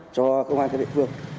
cho công an thị địa phương